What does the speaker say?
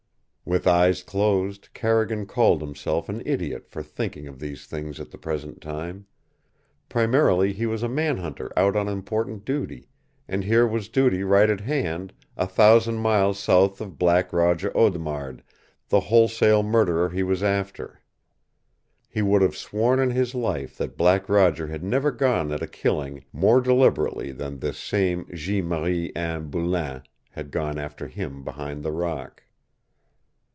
With eyes closed, Carrigan called himself an idiot for thinking of these things at the present time. Primarily he was a man hunter out on important duty, and here was duty right at hand, a thousand miles south of Black Roger Audemard, the wholesale murderer he was after. He would have sworn on his life that Black Roger had never gone at a killing more deliberately than this same Jeanne Marie Anne Boulain had gone after him behind the rock!